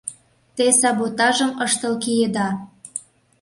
Те саботажым ыштыл киеда!..